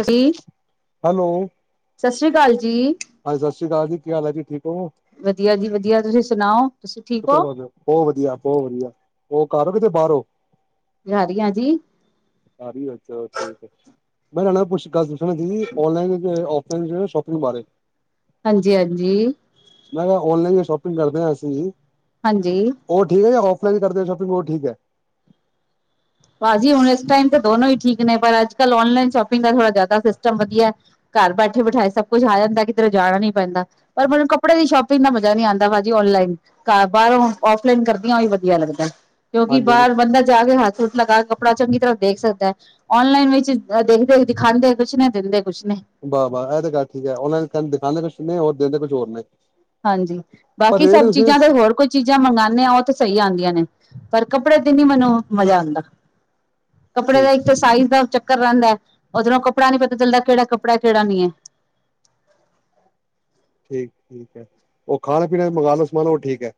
ਹਾਂਜੀ ਹੈਲੋ ਸਤਿ ਸ੍ਰੀ ਅਕਾਲ ਜੀ ਹਾਂਜੀ ਸਤਿ ਸ੍ਰੀ ਅਕਾਲ ਜੀ ਕੀ ਹਾਲ ਹੈ ਜੀ ਠੀਕ ਹੋ ਵਧੀਆ ਜੀ ਵਧੀਆ ਤੁਸੀਂ ਸੁਣਾਓ ਤੁਸੀਂ ਠੀਕ ਹੋ ਸ਼ੁਕਰ ਬਹੁਤ ਵਧੀਆ ਬਹੁਤ ਵਧੀਆ ਬਹੁ ਕਿਤੇ ਬਾਹਰੋਂ ਰਾਰੀਆਂ ਜੀ ਚਲ ਠੀਕ ਹੈ ਮੈਂ ਤੁਹਾਨੂੰ ਇਹ ਪੁੱਛਦਾ ਸੀ ਔਨਲਾਈਨ ਸ਼ੌਪਿੰਗ ਬਾਰੇ ਹਾਂਜੀ ਹਾਂਜੀ ਮੈਂ ਕਿਹਾ ਔਨਲਾਈਨ ਹੀ ਸ਼ੋਪਿੰਗ ਕਰਦੇ ਹਾਂ ਅਸੀਂ ਹਾਂਜੀ ਉਹ ਠੀਕ ਹੈ ਵੀ ਕਰਦੇ ਸ਼ੋਪਿੰਗ ਉਹ ਠੀਕ ਹੈ ਭਾਜੀ ਹੁਣੇ ਟਾਈਮ ਤੇ ਦੋਨੋ ਹੀ ਠੀਕ ਨੇ ਪਰ ਅੱਜ ਕਲ ਔਨਲਾਈਨ ਸ਼ੋਪਿੰਗ ਦਾ ਥੋੜਾ ਜਿਆਦਾ ਸਿਸਟਮ ਵਧੀਆ, ਕਾਰ ਬੈਠੇ ਬਠਾਏ ਸਭ ਕੁਛ ਆ ਜਾਂਦਾ ਕਿਧਰੇ ਜਾਣਾ ਨੀ ਪੈਂਦਾ, ਪਰ ਮੈਨੂੰ ਕੱਪੜੇ ਦੀ ਸ਼ੋਪਿੰਗ ਦਾ ਮਜ਼ਾ ਨੀ ਆਂਦਾ ਭਾਜੀ ਔਨਲਾਈਨ, ਕਾਰ ਬਾਹਰੋਂ ਓਫ਼ਲੀਨੇ ਕਰਦੀਆਂ ਵੀ ਇਹੀ ਵਧੀਆ ਲਗਦਾ। ਕਿਉਂਕਿ ਹਾਂਜੀ ਹਾਂਜੀ ਬਾਹਰ ਬੰਦਾ ਜਾ ਕੇ ਹੱਸ ਲਗਾ ਕੱਪੜਾ ਚੰਗੀ ਤਰ੍ਹਾਂ ਦੇਖ ਸਕਦਾ, ਔਨਲਾਈਨ ਵਿੱਚ ਦੇਖਦੇ ਦਿਖਾਂਦੇ ਕੁਛ ਨੇ ਦਿੰਦੇ ਕੁਛ ਨੇ ਵਾਹ-ਵਾਹ, ਇਹ ਤਾਂ ਗੱਲ ਠੀਕ ਹੈ, ਔਨਲਾਈ ਦਿਖਾਉਦੇ ਕੁਛ ਨੇ ਔਰ ਦੇਂਦੇ ਕੁਛ ਹੋਰ ਨੇ। ਹਾਂਜੀ ਪਰ ਬਾਕੀ ਰੇਟ ਸਭ ਚੀਜ਼ਾਂ ਤੇ ਤੁਸੀਂ ਹੋਰ ਕੋਈ ਚੀਜ਼ਾਂ ਮੰਗਾਨੇ ਹਾ ਉਹ ਤਾਂ ਸਹੀ ਆਂਦੀਆਂ ਨੇ। ਪਰ ਕੱਪੜੇ ਤੇ ਨੀ ਮੈਨੂੰ ਮਜ਼ਾ ਆਂਦਾ। ਕੱਪੜੇ ਦਾ ਠੀਕ ਇੱਕ ਤੇ ਸਾਈਜ਼ ਦਾ ਚੱਕ ਕਰ ਰੇਂਦਾ ਉਓਧਰੋਂ ਕੱਪੜਾ ਨੀ ਪਤਾ ਚੱਲਦਾ ਕਿਹੜਾ ਕੱਪੜਾ ਕਿਹੜਾ ਨੀ ਹੈ। ਠੀਕ-ਠੀਕ ਹੈ, ਉਹ ਖਾਣਾ ਪੀਣਾ ਮੰਗਾਣ ਦਾ ਸਾਮਾਨ ਉਹ ਠੀਕ ਹੈ।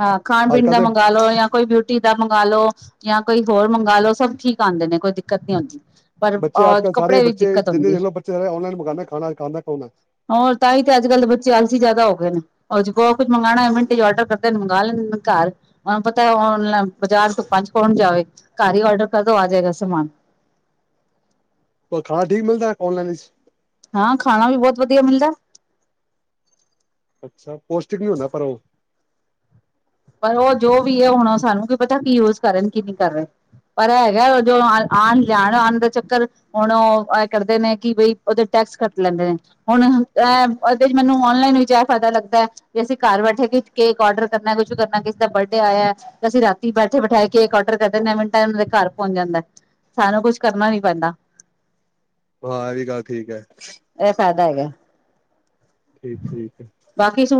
ਹਾਂ ਖਾਣ ਅੱਜ ਪੀਣ ਕੱਲ ਦਾ ਦੇ ਮੰਗਾ ਲੋ ਜਾਂ ਕੋਈ ਬਿਊਟੀ ਦਾ ਮੰਗਵਾ ਲੋ। ਜਾਂ ਕੋਈ ਹੋਰ ਮੰਗ ਲਓ ਸਭ ਠੀਕ ਆਣਦੇ ਨੇ ਕੋਈ ਦਿੱਕਤ ਨੀ ਆਂਦੀ। ਪਰ ਬੱਚੇ ਅਹ ਅੱਜ ਕੱਲ ਸਾਰੇ ਕੱਪੜੇ ਵਿੱਚ ਬੱਚੇ ਦਿੱਕਤ ਜਿੰਨੇ ਹੁੰਦੀ ਹੈ, ਦੇਖ ਲਓ ਬੱਚੇ ਸਾਰੇ ਔਨਲਾਈਨ ਮੰਗਵਾਉਂਦੇ ਖਾਣਾ ਖਾਂਦਾ ਕੌਣ ਹੈ ਹੋਰ ਤਾਂਹੀ ਤੇ ਅੱਜ ਕੱਲ ਦੇ ਬੱਚੇ ਆਲਸੀ ਜਿਆਦਾ ਹੋ ਗਏ ਨੇ। ਹ ਕੁਛ ਮੰਗਉਣਾ ਮਿੰਟ ਚ ਆਰਡਰ ਕਰ ਨ ਮੰਗਵਾ ਲੈਂਦੇ ਘਰ ਉਨਾ ਨੂੰ ਪਤਾ ਲਾ ਬਾਜ਼ਾਰ ਤੁਪਾ ਚ ਕੌਣ ਜਾਏ ਘਰ ਹੀ ਔਡਰ ਕਰਦੋ ਆ ਜਾਏਗਾ ਸਮਾਨ। ਪਰ ਖਾਣਾ ਠੀਕ ਮਿਲਦਾ ਔਨਲਾਈਨ? ਹਾਂ ਖਾਣਾ ਵੀ ਬਹੁਤ ਵਧੀਆ ਮਿਲਦਾ। ਅੱਛਾ ਪੋਸ਼ਟਿਕ ਨੀ ਹੁੰਦਾ ਪਰ ਉਹ ਪਰ ਉਹ ਜੋ ਵੀ ਹੈ ਹੁਣ ਉਹ ਸਾਨੂੰ ਕੀ ਪਤਾ ਕੀ ਯੂਜ ਕਰ ਰ ਕੀ ਨਹੀਂ ਕਰ ਰਹੇ, ਪਰ ਏ ਹੈਗਾ ਜੋ ਆਣ ਜਾਣ ਆਣ ਦਾ ਚੱਕਰ ਹੁਣ ਉਹ ਕਰਦੇ ਨੇ ਕਿ ਬਈ ਉਹਦੇ ਟੈਕਸ ਕੱਟ ਲੈਂਦੇ ਨੇ, ਹੁਣ ਉਹਦੇ ਚ ਮੈਨੂੰ ਨਲਾਈਨ ਵਿੱਚ ਇਹ ਫਾਇਦਾ ਲੱਗਦਾ ਹੈ ਵੀ ਅਸੀਂ ਘਰ ਬੈਠੇ ਕੇਕ ਡਰ ਕਰਨਾ ਕੁ ਕਰਨਾ ਕਿਸੇ ਦਾ ਬਰਡੇ ਆਇਆ ਤੇ ਅਸੀਂ ਰਾਤੀ ਬੈਠੇ ਬੈਠਾਏ ਕੇਕ ਔਡਰ ਕਰਦੇ ਨ ਮਿੰਟਾਂ ਉਹਨਾਂ ਦੇ ਘਰ ਪਹੁੰਚ ਜਾਂਦਾ ਸਾਨੂੰ ਕੁਛ ਕਰਨਾ ਨੀ ਪੈਂਦਾ। ਹਾਂ ਇਹ ਵੀ ਗੱਲ ਠੀਕ ਹੈ। ਫੈਦਾ ਹੈਗਾ ਠੀਕ-ਠੀਕ ਹੈ।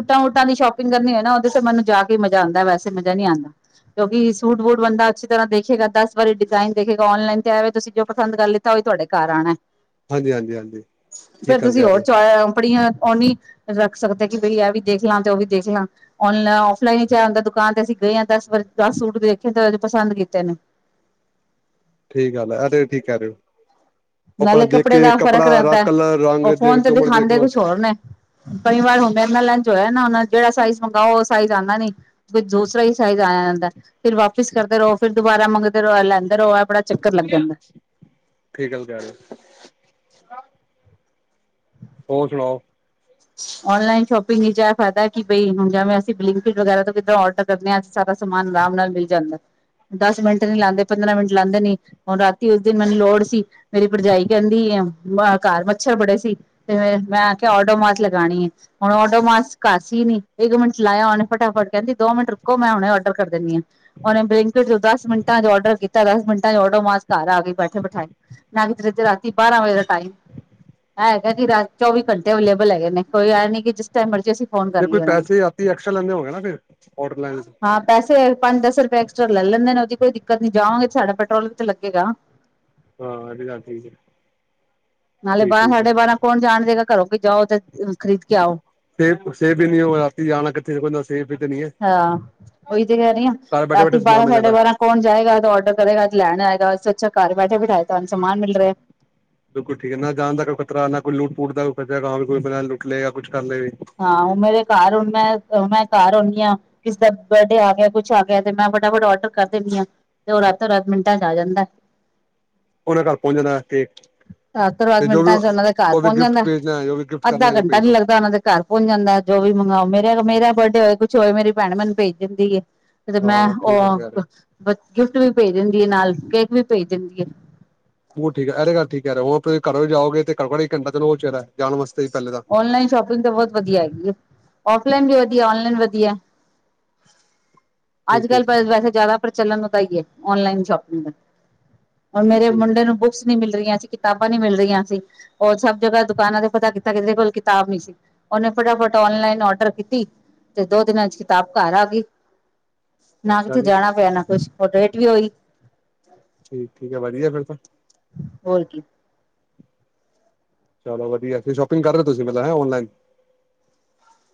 ਟਾ ਉੱਟਾ ਦੀ ਸ਼ੋਪਿੰਗ ਕਰਨੀ ਹੈ ਨਾ ਉਹਦੇ ਤੇ ਮਨੂੰ ਜਾਗ ਕੇ ਮਜ਼ਾ ਆਂਦਾ ਵੈਸੇ ਮਜ਼ਾ ਨੀ ਆਂਦਾ। ਕਿਉਂਕਿ ਸੂਟ ਵੂਟ ਬੰਦਾ ਅੱਛਾ ਤਰ੍ਹਾਂ ਦੇਖੇਗਾ ਦਸ ਵਾਰੀ ਡਿਜ਼ਾਇਨ ਦੇਖੇਗਾ ਔਨਲਾਈਨ ਤੇ ਆਵੇ ਤੁਸੀਂ ਜੋ ਪਸੰਦ ਕਰ ਲਿੱਤਾ ਉਹ ਵੀ ਤੁਹਾਡੇ ਘਰ ਆਣਾ। ਹਾਂਜੀ ਹਾਂਜੀ ਹਾਂਜੀ ਠੀਕ [unintelligible] ਆਪੜੀਆਂ ਉਹ ਨੀ ਰੱਖ ਸਕਦੇ ਕਿ ਬਈ ਇਹ ਵੀ ਦੇਖ ਲਾਂ ਤੇ ਉਹ ਵੀ ਦੇਖ ਲਾਂ ਔਨਲਾਈਨ ਆਫ਼ ਲਾਈਨ ਚ ਐ ਹੁੰਦਾ, ਦੁਕਾਨ ਤੇ ਅਸੀਂ ਗਏ ਹ ਦਸ ਵ ਦਸ ਸੂਟ ਵੀ ਦੇਖੇ ਤੇ ਉਹ ਪਸੰਦ ਕੀਤੇ ਨੇ। ਠੀਕ ਗੱਲ ਅਰੇ ਠੀਕ ਕਹਿ ਰਹੇਓ। ਨਾਲੇ ਕੱਪੜੇ ਦਾ ਫ਼ਰਕ ਰਹਦਾ ਕਲਰ ਰੰਗ ਉਹ ਫੋਨ ਦੇਖ ਤੇ ਜੋ ਮਰਜ਼ੀ ਦੇਖ ਦਿਖਾਂਦੇ ਲੋ ਕੁਛ ਹੋਰ ਨੇ ਕਈ ਵਾਰ ਹੁਨ ਮੇਰੇ ਨਾਲ ਐਂਜ ਹੋਇਆ। ਉਹ ਜਿਹੜਾ ਸਾਈਜ਼ ਮੰਗਵਾਓ ਉਹ ਸਾਈਜ਼ ਆਂਦਾ ਨੀ ਕੋਈ ਦੂਸਰਾ ਹੀ ਸਾਈਜ਼ ਆ ਜਾਂਦਾ ਫਰ ਵਾਪਿਸ ਕਰਦੇ ਰਹੋ ਫਿਰ ਦੁਬਾਰਾ ਮੰਗਦੇ [unintelligible] ਜਾਂਦਾ। ਠੀਕ ਗੱਲ ਕਹਿ ਰਹੇ ਹੋ। ਹਾਂ। ਹੋਰ ਸੁਣਾਓ। ਔਨਲਾਈਨ ਸ਼ੋਪਿੰਗ ਵਿਚ ਇਹ ਫਾਇਦਾ ਹੈ। ਕਿ ਬਈ ਹੁਣ ਜਵੇਂ ਅਸੀਂ ਔਨਲਾਇਨ ਸੌ਼ਪਿੰਗ ਵਿੱਚ ਇਹ ਫਾਯਦਾ ਹੈ ਕਿ ਜਿਵੇਂ ਬਲਿੰਕ ਵਗੈਰਾ ਤੋਂ ਕਿੱਦਾ ਔਡਰ ਕਰਦੇ ਹਾਂ ਸਾਰਾ ਸਮਾਨ ਆਰਾਮ ਨਾਲ ਮਿਲ ਜਾਂਦਾ। ਦਸ ਮਿੰਟ ਨੀ ਲਾਦੇ ਪੰਦਰਾਂ ਮਿੰਟ ਲਾਉਦੇ ਨ ਹੁਣ ਰਾਤੀ ਉਸ ਦਿਨ ਮੈਨੂੰ ਲੋੜ ਸੀ ਮੇਰੀ ਭਰਜਾਈ ਕਹਿੰਦੀ ਆ। ਮੈਅ ਘਰ ਮੱਛਰ ਬੜੇ ਸੀ, ਤੇ ਮੈਂ ਕਿਆ ਔਡ ਔਡੋ ਮਾਸ ਲਗਾਣੀ ਏ। ਹੁਣ ਔਡੋ ਮਾਸ ਘਾਰ ਸੀ ਨੀ ਇੱਕ ਮਿੰਟਚ ਲਾਇਆ ਉਹਨੇ ਫਟਾਫਟ ਕਹਿੰਦੀ ਦੋ ਮਿੰਟ ਰੁਕੋ ਮੈਂ ਹੁਣੇ ਔਡਰ ਕਰ ਦਿੰਦੀ ਹਾਂ। ਉਹਨੇ ਬਲਿੰਕਟ ਤੋਂ ਦਸ ਮਿੰਟਾਂ ਚ ਔਡਰ ਕੀਤਾ ਦਸ ਮਿੰਟ ਡੋ ਮਾਸ ਘਰ ਆ ਕੇ ਬੈਠੇ ਬੈਠਾਏ ਨਾ ਕਿ ਤੁਸੀ ਅਧੀ ਰਾਤੀ ਬਾਰਾਂ ਵਜੇ ਦਾ ਟਾਈਮ, ਏ ਹੈਗਾ ਕਿ ਰਾ ਚੌਵੀ ਘੰਟੇ ਅਵੇਲੇਬਲ ਹੈਗੇ ਨੇ ਕੋਈ ਆ ਨੀ ਕਿ ਜਿਸ ਟਾਈਮਰਜੀ ਅਸੀ ਜੇ ਕੋਈ ਪੈਸੇ ਆਪੀ ਐਕਸਟਰਾ ਲੈਂਦੇ ਹੋਗੇ ਨਾ ਫਿਰ ਔਡਰ ਲੈਣ ਚ- ਹਾਂ ਪੈਸੇ ਪੰਜ, ਦਸ ਰੁਪਏ ਐਕਸਟਰਾ ਲੈਲੈਂਂਦੇ ਔਦ ਕੋਈ ਦਿੱਕਤ ਨੀ, ਜਾਵਾਂਗੇ ਸਾਡਾ ਪੈਟਰੋਲ ਵੀ ਤਾ ਲੱਗੇਗਾ। ਹਾਂ ਇਹ ਵੀ ਗੱਲ ਠੀਕ ਹੈ ਠੀਕ -ਠੀਕ ਹੈ। ਘਰੋ ਕਿ ਜਾਓ ਤੇ ਖਰੀਦ ਕੇ ਆਓ ਸੇਵ - ਸੇਵ ਵੀ ਨੀ ਹੋ ਰਾਤੀ ਜਾਣਾ ਕਿੱਥੇ ਨਾ ਕੋਈ ਸੇਵ ਹਾਂ ਉਹੀ ਤੇ ਕਹਿ ਰਹੀ ਆ। ਘਰ ਬੈਠੇ ਬੈਠੇ ਰਾਤੀ ਸਮਾਨ ਬਾਰਾਂ, ਮਿਲ ਸਾਡੇ ਜਾਂਦਾ ਬਾਰਾਂ ਕੌਣ ਜਾਏਗਾ ਔਡਰ ਕਰੇਗਾ ਤੇ ਲੈਣ ਆਏਗਾ। ਇਸ ਛਾ ਘਰ ਬੈਠੇ ਬੈਠਾਏ। ਬਿਲਕੁਲ ਠੀਕ ਹੈ। ਨਾ ਜਾਣ ਦਾ ਕੋਈ ਖਤਰਾ, ਨਾ ਕੋਈ ਲੂਟ ਪੂਟ ਦਾ ਫਿਰ ਤੇ ਰਾਤ ਕੋਈ [unintelligible] ਲੁੱਟੇਗਾ ਕੁਛ- ਕਰ ਲਵੇ ਹਾਂ, ਉਹ ਮੇਰੇ ਘਰ ਹੁਣ ਮੈਂ ਹੁਣ ਮੈਂ ਘਰ ਆਉਂਦੀ ਆ, ਕਿਸੇ ਦਾ ਬਰਡੇ ਆ ਗਿਆ। ਕੁਛ ਆ ਗਿਆ। ਤੇ ਮੈਂ ਫਟਾਫਟ ਡਰ ਕਰ ਦਿੰਦੀ ਆਂ। ਤੇ ਉਹ ਰਾਤੋ ਰਾਤ ਮਿੰਟਾਂ ਚ ਆ ਜਾਂਦਾ। ਉਹਨਾਂ ਘਰ ਪਹੁੰਚ ਜਾਣਾ ਕੇਕ ਦਸ ਦਸ ਤੇ ਜੋ ਵੀ ਮਿੰਟਾਂ ਚ ਉਹਨਾਂ ਦੇ ਘਰ ਉਹ ਵੀ ਪਹੁੰਚ ਗਿਫਟ ਜਾਂਦਾ। ਭੇਜਨਾ ਜੋ ਵੀ ਗਿਫਟ ਕਰਨਾ ਜੋ ਭੇਜ ਦਿਓ। ਪੋਂਚ ਜਾਂਦਾ ਜੋ ਵੀ ਮੰਗਵਾਓ ਮੇਰਾ ਮੇਰਾ ਬਰਡੇ ਹੋਏ, ਕੁਛ ਹੋਏ, ਮੇਰੀ ਭੈਣ ਮੈਨੂੰ ਭੇਜ ਦਿੰਦੀ ਹੈ। ਤੇ ਮੈਂ ਔਹ ਬ- ਗਿਫਟ ਵੀ ਭੇਜ ਦਿੰਦੀ ਏ, ਨਾਲ ਕੇਕ ਵੀ ਭੇਜ ਦਿੰਦੀ ਏ ਔਹ ਠੀਕ ਹੈ, ਇਹਤੇ ਗਲ ਠੀਕ ਕਹਿ ਰੇ ਹੌ, ਔ ਫਿਰ ਘਰ ਜਾਓਗੇ ਤੇੰ ਘਟੋ ਘਟ ਇਕ ਘਟਾਂ ਤੇ ਔਜ ਚਾਹਿਦਾ ਜਾਣ ਵਾਸਤੇ। ਹੀ ਪਹਿਲੇ ਤਾਂ ਔਨਲਾਈਨ ਸ਼ੋਪਿੰਗ ਤਾਂ ਬਹੁਤ ਵਧੀਆ ਹੈਗੀ ਏ। ਔਫਲਾਈਨ ਵੀ ਵਧੀਆ ਔਨਲਾਈਨ ਵਧੀਆ। ਠੀਕ ਅੱਜ ਕੱਲ ਠੀਕ ਹੈ ਵੈਸੇ ਜ਼ਿਆਦਾ ਪ੍ਰਚਲਣ ਚਾਹੀਦੀ ਏ ਔਨਲਾਈਨ ਸ਼ੋਪਿੰਗ ਦਾ। ਮੇਰੇ ਠੀਕ ਮੁੰਡੇ ਨੂੰ ਬੁਕਸ ਨੀ ਮਿਲ ਰਿਆਂ ਸੀ ਕਿਤਾਬਾਂ ਨੀ ਮਿਲ ਰੀਆਂ ਸੀ। ਔਰ ਸਭ ਜਗ੍ਹਾ ਦੁਕਾਨਾਂ ਤੇ ਪਤਾ ਪਰ ਐਦੇ ਘਰੇ ਕਿਤਾਬ ਨੀ ਸੀ। ਔਹਨੇ ਫਟਾਫਟ ਔਨਲਾਈਨ ਔਡਰ ਕੀਤੀ ਤੇ ਦੋ ਦਿਨਾਂ ਚ ਕਿਤਾਬ ਘਰ ਆ ਗਈ। ਨਾ ਅੱਛਾ ਕਿਥੇ ਜੀ ਜਾਣਾ ਪੈਨਾ ਕੁਛ। ਅਥੋਰਟੀ ਆਏਗੀ। ਠੀਕ-ਠੀਕ ਹੈ ਵਧੀਆ ਫੇਰ ਤਾਂ। ਹੋਰ ਕੀ ਚਲੋ ਵਧੀਆ ਤੁਸੀ ਸ਼ੋਪਿੰਗ ਕਰ ਰਹੇ ਤੁਸੀਂ ਹੈ ਔਨਲਾਈਨ।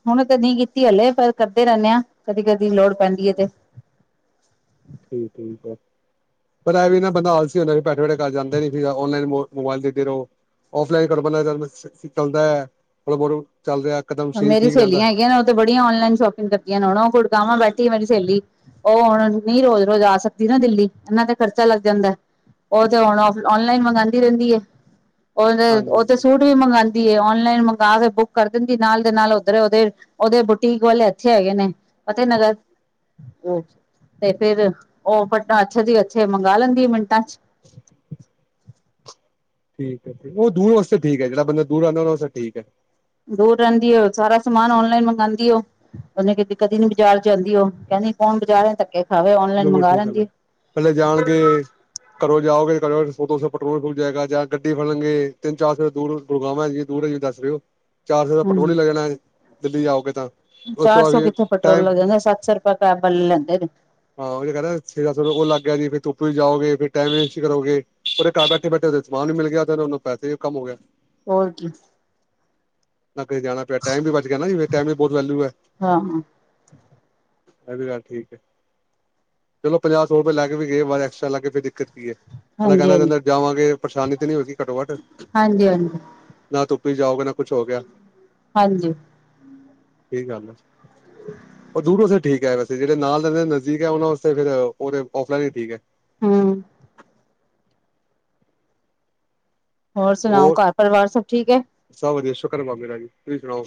ਹੁਣ ਤੇ ਨਹੀਂ ਕੀਤੀ ਹਲੇ ਪਰ ਕਰਦੇ ਰਹਿੰਦੇ ਹਾਂ ਕਦੀ-ਕਦੀ ਲੋੜ ਪੈਂਦੀ ਏ ਤੇ। [inaudible] ਹੈ ਪਰ ਇਹ ਵੀ ਨਾ ਬੰਦਾ ਆਲਸੀ [unintelligible] ਬੈਠੇ-ਬੈਠੇ ਕਰ ਜਾਂਦੇ ਨੀ ਫ ਔਨਲਾਈਨ ਮੋਬਾਈਲ ਦੇ ਰਹੋ ਓਫਲਾਈਨ ਚੱਲਦਾ [unintelligible] ਕਦਮ ਸਰੀਰ ਮੇਰੀ ਠੀਕ ਰਹਿੰਦਾ ਸਹੇਲੀਆਂ ਹੈਗੀਆਂ ਨੇ ਉਹ ਤੇ ਬੜੀਆਂ ਔਨਲਾਈਨ ਸ਼ੋਪਿੰਗ ਕਰਤੀਆਂ ਨੇ ਹੁਣ ਉਹ ਗੁਰਗਾਵਾਂ ਬੈਥੀ [unintelligible] ਸਹੇਲੀ ਉਹ ਹੁਣ ਨਹੀਂ ਰੋਜ਼-ਰੋਜ਼ ਆ ਸਕਦੀ ਨਾ ਦਿੱਲੀ ਓਨਾ ਤੇ ਖਰਚਾ ਲੱਗ ਜਾਂਦਾ ਉਹ ਤੇ ਹੁਣ ਔਨਲਾਈਨ ਮੰਗਾਦੀ ਰਹਿੰਦੀ ਏ। ਔਰ ਉਹ ਹਾਂਜੀ ਤੇ ਸੂਟ ਵੀ ਮੰਗਾ ਔਨਲਾਈਨ ਮੰਗਵਾ ਕੇ ਬੁੱਕ ਕਰ ਦਿੰਦੀ ਦੀ ਨਾਲ ਦੇ ਨਾਲ ਉੱਧਰ ਉਹਦੇ, ਉਹਦੇ ਬੁਟੀਕ ਵਾਲੇ ਇਸੇ ਹੈਗੇ ਨੇ ਫਤਿਹ ਨਗਰ ਤੇ ਫੇਰ ਉਹ ਪਟਾਂ ਅੱਛੇ ਦੀ ਅੱਛੇ ਮੰਗਾ ਲੈਂਦੀ ਏ ਮਿੰਟਾਂ ਚ। [inaudible] ਠੀਕ ਉਹ ਦੂਰ ਵਾਸਤੇ ਠੀਕ ਏ ਜਿਹੜਾ ਬੰਦਾ ਦੂਰ ਆਉਦਾ ਵਸਤੇ ਠੀਕ ਹੈ। ਦੂਰ ਰਹਿੰਦੀ ਏ ਸਾਰਾ ਸਮਾਨ ਔਨਲਾਈਨ ਮੰਗਉਦੀ ਓ ਓਹਨੇ ਕਿਤੇ ਕਦੀ ਨੀ ਬਾਜ਼ਾਰ ਜਾਂਦੀ ਉਹ ਕਹਿੰਦੀ ਕੌਣ ਬਾਜ਼ਾਰ ਧੱਕੇ ਖਾਵੇ ਔਨਲਾਈਨ ਉਹ ਮੰਗਵਾ ਠੀਕ ਗੱਲ ਲੈਂਦੀ ਹੈ ਪਹਿਲੇ ਜਾਣਗੇ ਘਰੋਂ ਜਾਓ [unintelligible] ਸੋ-ਦੋਸੌ ਪੈਟਰੋਲ ਫੁਕ ਜਾਏਗਾ ਜਾਂ ਗੱਡੀ ਫੜਨਗੇ ਤਿੰਨ ਚਾਰ ਸੌ ਦੂਰ ਗੁੜਗਾਵਾਂ ਦੂਰ ਹੈਂ ਦੱਸ ਰਹੇ ਹੋ। ਚਾਰ-ਸੌ ਦਾ ਪਟਰੋਲ ਹੀ ਲੱਗ ਜਾਣਾ ਹੈ ਦਿੱਲੀ ਜਾਓਗੇ ਤਾਂ ਉਸ ਤੋਂ ਬਾਅਦ ਚਾਰ-ਸੌ ਫਿਰ ਕਿੱਥੇ ਪੈਟਰੋਲ ਟਾਈਮ ਲੱਗ ਜਾਂਦੇ ਸੱਤ-ਸੌ ਰੁਪਆ ਕੈਬ ਆਲੇ ਲੈਂਦੇ ਨੇ ਓਹੀ ਤੇ ਕੇਹਰਿਆ ਚੇ-ਸਤਸੋ ਉਹ ਲੱਗ ਗਿਆ ਜੀ ਫਿਰ ਤੁੱਪ ਵਿਚ ਜਾਓਗੇ ਫਿਰ ਟਾਈਮ ਵੇਸਟ ਕਰੋਗੇ ਉਹਦੇ ਘਰ ਬੈਠੇ ਬੈਠੇ ਉਹਦੇ ਸਮਾਨ ਵੀ ਮਿਲ ਗਿਆ ਤੇਨੂੰ ਪੈਸੇ ਵੀ ਕੰਮ ਹੋ ਗਿਆ। ਹੋਰ ਕੀ ਨਾ ਕਿਸੇ ਜਾਣਾ ਪਿਆ ਟਾਈਮ ਵੀ ਬਚ ਗਿਆ ਨਾ ਜੀ ਟਾਈਮ ਵੀ ਬਹੁਤ ਵੈਲੂ ਹੈ। ਹਾਂ ਹਾਂ ਇਹ ਵੀ ਗੱਲ ਠੀਕ ਏ। ਚਲੋ ਪੰਜਾਹ ਸੌ ਰੁਪਏ ਲੱਗ ਵੀ ਗਏ ਵਾਰ ਐਕਸਟਰਾ ਲਾਗ ਗੇ ਕੋਈ ਦਿੱਕਤ ਨੀ ਹੈ। ਹਾਂਜੀ ਹਾਂਜੀ [unintelligible] ਜਾਵਾਂਗੇ ਪਰੇਸ਼ਾਨੀ ਤੇ ਨੀ ਹੋਗੀ ਘੱਟੋ ਘੱਟ ਹਾਂਜੀ ਹਾਂਜੀ ਨਾ ਧੱ ਤੁਸੀਂ ਜਾਓਗੇ ਨਾ ਕੁੱਛ ਹੋ ਗਿਆ ਹਾਂਜੀ ਕੀ ਗੱਲ ਉਹ ਦੂਰੋਂ ਠੀਕ ਹੈ ਵੈਸੇ ਜਹੜੇ ਨਾਲ ਰਹਿਦੇ ਨੇ ਠੀਕ ਹੈ ਉਹਨਾਂ ਵਾਸਤੇ ਫੇਰ ਉਹਦੇ ਔਫਲਾਈਨ ਹੀ ਠੀਕ ਹੈ। ਹੁੰ ਹੋਰ ਸੁਣਾਓ ਘਰ ਪਰਿਵਾਰ ਸਬ- ਠੀਕ ਹੈ - ਹਾਂ ਵਧੀਆ ਸ਼ਉਕਰ ਬਾਬੇ ਦਾ ਤੁਸੀਂ ਸੁਣਾਓ-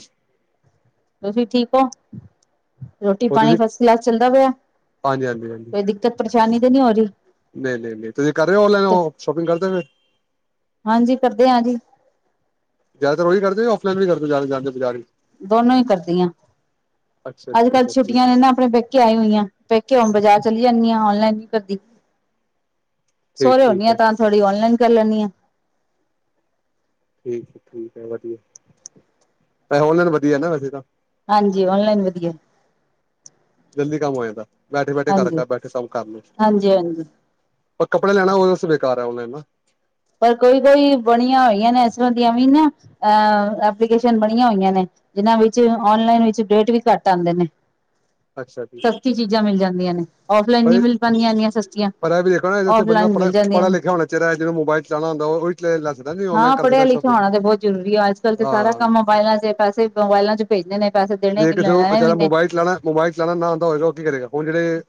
ਤੁਸੀਂ ਠੀਕ ਹੋ- ਰੋਟੀ ਹੋਰ ਪਾਣੀ ਤੁਸੀਂ ਫਸਟ ਕਲਾਸ ਚੱਲਦਾ ਪਿਆ ਹਾਂਜੀ ਹਾਂਜੀ ਹਾਂਜੀ ਕੋਈ ਦਿੱਕਤ ਪਰੇਸ਼ਾਨੀ ਤੇ ਨਹੀਂੀ ਹੋ ਰਹੀ ਨਹੀਂ ਨਹੀਂ ਨਹੀਂ ਤੁਸੀਂ ਕਰ ਰਹੇ ਹੋ ਔਨਲਾਈਨ ਸ਼ੋਪਿੰਗ ਕਰਦੇ ਫਿਰ ਹਾਂਜੀ ਕਰਦੇ ਹਾਂ ਜੀ- ਜ਼ਿਆਦਾਤਰ ਉਹੀ ਕਰਦੇ ਔਫਲਾਈਨ ਵੀ ਕਰਦੇ ਜਾਂਦੇ ਬਜ਼ਾਰ ਵੀ- ਦੋਨੋ ਹੀ ਕਰਦੀਆਂ ਅੱਛਾ ਅੱਜ ਅੱਛਾ ਕੱਲ੍ਹ ਅੱਛਾ ਠੀਕ ਛੁੱਟੀਆਂ ਨੇ ਨਾ ਆਪਣੇ ਪਹਿਕੇ ਆਏ ਹੋਈਆਂ ਪਹਿਕੇ ਹਣ ਬਾਜ਼ਾਰ ਚਲੀ ਜਾਣੀ ਆ- ਔਨਲਾਈਨ ਹੀ ਕਰਦੀ- ਠੀਕ ਸੋੁਰਰੇ ਠੀਕ ਹੋਣੀ ਆ ਹੈ ਤਾਂ ਥੋੜੀ ਔਨਲਾਈਨ- ਕਰ ਲੈਦੀ ਆਾਂ- ਠੀਕ ਹੈ ਠੀਕ ਹੈ ਵਧੀਆ ਓਨਲਾਈਨ ਵਧੀਆ ਨਾ ਵੈਸੇ ਤਾਂ- ਹਾਂਜੀ ਓਨਲਾਈਨ ਵਧੀਆ- ਜਲਦੀ ਕੰਮ ਹੋ ਜਾਂਦਾ- ਬੈਠੇ ਬੈਠੇ ਘਰ ਹਾਂਜੀ ਸਭ ਕੰਮ ਕਰ ਲਓ ਹਾਂਜੀ ਹਾਂਜੀ ਪਰ ਕੱਪੜੇ ਲੈਣਾ ਉਹੇ ਬੇਕਾਰ ਹੈ ਔਨਲਾਈਨ- ਪਰ ਕੋਈ ਕੋਈ ਬਣੀਆਂ ਹੋਈਆਂ ਨੇ ਇਸਰ੍ਹਾਂ ਦੀਆਂ ਵੀ ਨਾ ਐਪਲੀਕੇਸ਼ਨ ਬਣੀਆਂ ਹੋਈਆਂ ਨੇ ਜਿਨਾਂ ਵਿੱਚ ਓਨਲਾਈਨ ਵਿੱਚ ਰੇਟ ਵੀ ਘੱਟ ਆਉਂਦੇ ਨੇ- ਅੱਛਾ ਜੀ ਸਸਤੀ ਚੀਜ਼ਾਂ ਮਿਲ ਜਾਂਦੀਆਂ ਨੇ- ਔਫਲਾਈਨ ਨਹੀਂੀ ਪਰ ਮਿਲ ਪਾਉਂਦੀਆਂ ਇੰਨੀਆਂ ਸਸਤੀਆਂ ਪਰ ਇਹ ਵੀ ਦੇਖੋ ਨਾ ਜੈਸੇ ਬੰਦਾ ਓਨਲਾਈਨ ਪੜਾ ਮਿਲ ਜਾਂਦੀਆਂ ਪੜ੍ਹਾ ਨੇ- ਲਿਖਿਆ ਹੋਣਾ ਚਾਹੀਦਾ ਹੈ, ਜਿਹਨੂੰ ਮੋਬਾਈਲ ਚਲਾਣਾ ਹੁੰਦਾ ਉਹੀ ਲੈ ਸਕਦਾ ਨਹੀਂ ਔਨਲਾਈਨ ਹਾਂ ਕਰ ਪੜਿਆ ਸਕਦਾ ਲਿਖਿਆ ਸ਼ੋਪਿੰਗ ਹੋਣਾ ਤੇ ਬਹੁਤ ਜ਼ਰੂਰੀ ਹੈ ਅੱਜ ਕੱਲ੍ਹ ਤੇ ਸਾਰਾ ਹਾਂ ਕੰਮ ਮੋਬਾਇਲਾਂ ਚ ਪੈਸੇ ਮੋਬਾਇਲਾਂ ਚ ਭੇਜਦੇ ਨੇ- ਪੈਸੇ ਦੇਣੇ ਜੇ ਵੀ ਕਿਥੋਂ ਲੈਣੇ ਜ ਵੀ ਨੇ ਮੋਬਾਈਲ ਚਲਾਉਣਾ ਮੋਬਾਈਲ ਚਉਣਾ ਨਾ ਆਂ ਹੋਏਗਾ ਕੀ ਕਰੇਗਾ ਹੁਣ ਜਿਹੜੇ-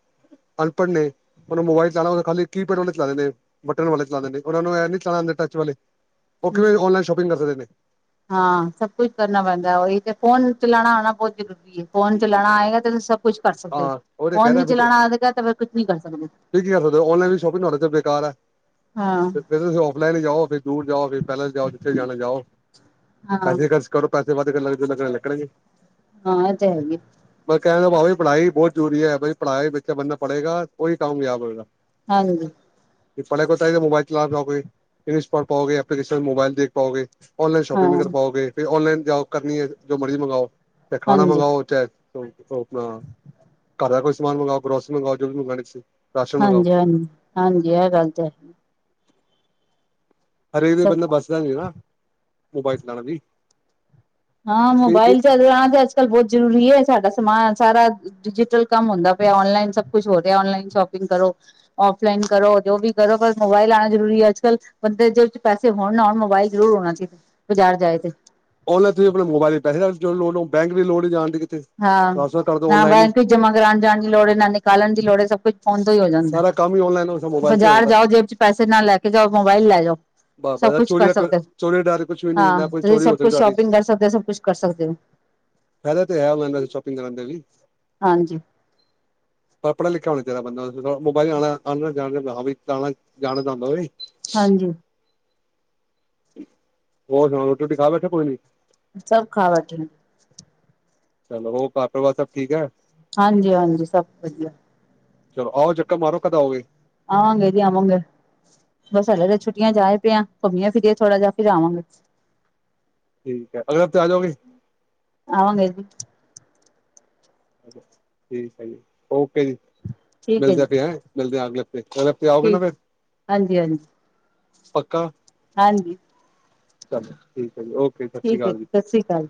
ਅਨਪੜ੍ਹ ਨੇ ਉਹ ਨੂੰ ਮੋਬਾਇਲ ਚਲਾਉਣਾ ਖਾਲੀ ਕੀਪੈਡ ਵਾਲੇ ਚਲਾਉਦੇ ਨੇ ਬਟਨ ਵਾਲੇ ਚਲਾਉਦੇ ਨੇ ਉਹ ਨੂੰ ਨ ਚਲਾਣਾ ਟਚ ਵਾਲੇ- ਉਹਓ ਕਿਵੇਂ ਹਮ ਔਨਲਾਈਨ ਸ਼ੋਪਿੰਗ ਕਰ ਸਕਦੇ ਨੇ- ਹਾਂ ਸਭ ਕੁਛ ਕਰਨਾ ਪੈਂਦਾ ਉਹੀ ਤੇ ਫੋਨ ਚਲਾਉਣਾ ਹ ਆਣਾ ਬਹੁਤ ਜ਼ਰੂਰੀ ਹੈ। ਫੋਨ ਚਲਾਉਣਾ ਆਏਗਾ ਤੇ ਸਬ- ਕੁਛ ਕਰ ਸਕਦੇ ਹੋ ਹਾਂ ਉਹ ਤੇ ਫੋਨ ਕਹਿ ਨੀ ਰਿਹਾ ਫਿਰ ਚਲਾਉਣਾ ਤੁਸੀਂ ਆਂਦਾ ਤੇ ਫਿਰ ਕੁਛ ਨੀ ਕਰ ਸਕਦੇ- ਕੀ ਕਰ ਸਕਦੇ ਹੋ ਔਨਲਾਈਨ ਵੀ ਸ਼ੋਪਿੰਗ ਤੁਹਾਡੇ ਚ ਬੇਕਾਰ ਹੈ ਹਾਂ ਤੇ ਫਿਰਰ ਤੁਸੀਂ ਫਲਾਈਨ ਹੀ ਜਾ ਫਿਰ ਦੂਰ ਜਾਓ ਫਰ ਪੈਲੇਸ ਜਾਓ ਜਿੱਥੇ ਜਾਣ ਜਾਓ- ਹਾਂ ਪੈਸੇ ਖਰਚ ਕਰੋ ਕਲ- [unintelligible] ਹਾਂ ਇਹ ਚਾਹੀਦੇ ੈਂ ਕਹਿਿੰਦਾ ਭਾੀ ਪੜ੍ਹਾਈ ਬਹੁਤ ਜ਼ਰੂਰੀ ਹੈ ਬ ਪੜ੍ਹਾਈ ਵਿੱਚ ਬੰਦਾ ਪੜ੍ਹੇਗਾ- ਉਹੀ ਕਾਮਯਾਬ ਹੋਏਗਾ- ਹਾਂਜੀ- ਪੜ੍ਹਾਈ ਕੋ ਤੇ ਹੀ ਮੋਬਾਈਲ ਚਲਾ ਜਾਓਗੇ ਇਗਲਿਸ਼ ਪੜ ਪਾਓਗੇ ਐਪਲੀਕੇਸ਼ਨ ਮੋਬਾਈਲ ਦੇਖ ਪਾਓਗੇ- ਔਨਲਾਨ ਹਾਂ ਸ਼ੋਪਿੰਗ ਕਰ ਪਾਓਗੇ ਫਿਰ ਔਲਾਈਨ- ਓ ਕਰਨੀ ਹੈ ਜੋ ਮਰਜ਼ੀ ਮੰਗਵਾਓ- ਤੇ ਖਾਣਾ ਹਾਂਜੀ ਮੰਗਵਾਓ ਹੋਟਲ ਆਪਣਾ ਘਰ ਦਾ ਕੋਈ ਸਮਾਨ ਮੰਗਾਵਾਓ ਗਰੋਸਰੀ ਮੰਗਵਾਓ ਜੋ ਵੀ ਮੰਗਉਣੀ [unintelligible] ਹਾਂਜੀ ਹਾਂਜੀ ਹਾਂਜੀ ਆ ਗੱਲ ਤੇ ਹਰੇਕ ਦੇ ਸਭ ਬੰਦਾ ਬਸਦਾ ਨੀਾ ਮੋਬਾਈਲ ਚਲਾਣਾ ਜ। ਹਾਂ, ਮੋਬਾਇਲ ਚੱਲਣਾ ਤੇ ਅੱਜ ਕੱਲ ਬਹੁਤ ਜ਼ਰੂਰੀ ਹੈ। ਸਾਡਾ ਸਮਾਜ ਸਾਰਾ ਡਿਜੀਟਲ ਕੰਮ ਹੁੰਦਾ ਪਿਆ। ਔਨਲਾਈਨ ਸਭ ਕੁਛ ਹੋ ਰਿਹਾ ਔਨਲਾਈਨ ਸ਼ੋਪਿੰਗ ਕਰੋ। ਫਲਾਈਨ ਕਰੋ ਜੋ ਵੀ ਕਰੋ ਪਰ ਮੋਬਾਇਲ ਆਉਣਾ ਜ਼ਰੂਰੀ ਹੈ। ਅੱਜ ਕੱਲ ਬੰਦੇ ਜ ਪੈਸੇ ਹੋਣ ਨਾਣ ਮੋਬਾਇਲ ਜ਼ਰੂਰ ਹੋਣਾ ਚਾਹੀਦਾ ਬਾਜ਼ਾਰ ਜਾਏ ਤੇ ਔਨਲਾਈਨ ਤੁਸੀ ਆਪ ਮੋਬਾਇਲ ਪੈਸੇ ਲੋੜ ਬੈਂਕ ਦੀ ਲੋੜ ਨਹੀਂ ਜਾਣ ਦੀ। ਕਿਤੇ ਹਾਂ, ਟ੍ਰਾਂਸਫਰ ਕਰ ਦੋ ਨਾ ਔਨਲਾਈਨ ਹੀ ਬੈਂਕ ਚ ਜਮਾ ਕਰਾਉਣ ਜਾਣ ਦੀ ਲੋੜ ਹੈ ਨਾ ਨਿਕਾਲਣ ਦੀ ਲੋੜ ਹੈ। ਸਭ ਕੁਛ ਫੋਨ ਤੋਂ ਹੀ ਹੋ ਜਾਂਦਾ। ਸਾਰਾ ਕੰਮ ਹੀ ਔਨਲਾਈਨ ਹੋ, ਮੋਬਾਈਲ ਤੇ ਹੋ ਬਾਜ਼ਾਰ ਜਾਂਦਾ ਜਾਓ ਜੇਬ ਚ ਪੈਸੇ ਨਾਲ ਲੈ ਕੇ ਜਾਓ। ਮੋਬਾਈਲ ਲੈ ਜਾਓ। ਬ- ਸਭ ਬ ਕੁਛ ਚੋਰੀ ਕਰ ਸਕਦੇ ਹੋ -ਚੋਰੀ ਡਰ ਕੁਛ ਵੀ ਨੀ ਹਾਂ ਨਾ ਕੋਈ ਤੁਸੀਂ ਚੋਰੀ ਹੋ ਸਭ ਸਕਦੀ ਕੁਛ ਤੁਹਾਡੀ। ਸ਼ੋਪਿੰਗ ਕਰ ਸਕਦੇ ਹੋ ਸਭ ਕੁਛ ਕਰ ਸਕਦੇ ਹੋ। ਫਾਇਦਾ ਤੇ ਹੈ ਉਹਸ ਸ਼ੋਪਿੰਗ ਕਰਦੇ ਵੀ ਹਾਂਜੀ ਪਰ ਪੜ੍ਹਾ- ਲਿਖਿਆ ਹੋਣਾ ਚਾਹੀਦਾ। ਬੰਦਾ ਮੋਬਾਇਲ ਆ- [unintelligible] ਆ ਜਾਣ ਜਾਂਦਾ ਹਾਂਣਾ ਜਾਣ ਚਾਹੁੰਦਾ ਹਾਂਜੀ। ਹੋਰ ਸੁਣਾ, ਰੋਟੀ- ਰੋਟੀ ਖਾ ਬੈਠੇ ਕੇੲਣੀ। ਸਭ ਖਾ ਬੈਠੇ। ਚਲੋ, ਉਹ ਘਰ- ਵਾਰ ਸਭ ਠੀਕ ਹੈ। ਹਾਂਜੀ- ਹਾਂਜੀ ਸਭ ਵਧੀਆ। ਚਲੋ ਆਓ, ਚੱਕਰ ਮਾਰੋ, ਕਦ ਆਓਗੇ। ਆਵਾਂਗੇ ਤੇ ਆਵਾਂਗੇ ਬਸ ਹਾਲੇ ਤਾਂ ਛੁੱਟੀਆਂ ਜਾਏ ਪਿਆਂ। ਘੁੰਮੀਆਂ ਫਰੀਏ ਥੋੜ੍ਹਾ ਜਾਹਿ, ਫਿਰ ਆਵਾਂਗੇ। ਠੀਕ ਹੈ। ਅਗਰ ਹਫ਼ਤੇ ਆ ਜਾਓਗੇ। ਆਂਵਾ ਗਏ ਜੀ। ਠੀਕ ਹੈ ਜੀ, ਓਕੇ। ਜੀ ਠੀਕ ਹੈ ਜੀ ਮਿਲਦੇ ਹੈਂ। ਮਿਲਦੇ ਅਗਲੇ ਹਫ਼ਤੇ, ਅਗਲੇ ਹਫ਼ਤੇ ਆਓਗੇ ਨਾ ਠੀਕ ਫਿਰ ਹਾਂਜੀ ਹਾਂਜੀ ਪੱਕਾ ਹਾਂਜੀ। ਚਲੋ, ਠੀਕ। ਹੈ ਜੀ ਓਕੇ ਸਤਿ ਸ਼੍ਰੀ ਠੀਕ ਹੈ ਅਕਾਲ ਜੀ, ਸਤਿ ਸ੍ਰੀ ਅਕਾਲ।